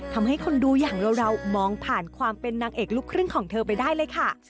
ทำให้คนดูอย่างเรามองผ่านความเป็นนางเอกลูกครึ่งของเธอไปได้เลยค่ะ